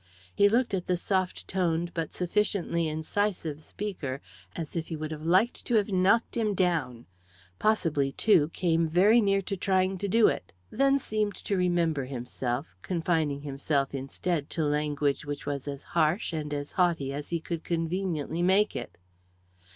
He looked at the soft toned but sufficiently incisive speaker as if he would have liked to have knocked him down; possibly, too, came very near to trying to do it. Then seemed to remember himself, confining himself instead to language which was as harsh and as haughty as he could conveniently make it.